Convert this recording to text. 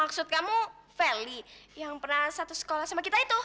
maksud kamu vali yang pernah satu sekolah sama kita itu